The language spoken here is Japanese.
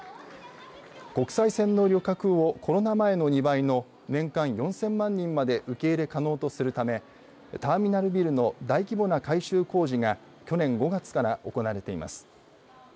国際線の旅客をコロナ前の２倍の年間４０００万人まで受け入れ可能とするためターミナルビルの大規模な改修工事が去年５月から行われています。